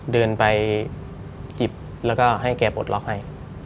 เดินไปหยิบแล้วก็ให้แกปลดล็อกให้